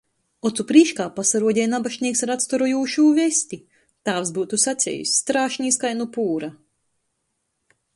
Ocu prīškā pasaruodeja nabašnīks ar atstorojūšū vesti, tāvs byutu sacejs – strāšnīs kai nu pūra.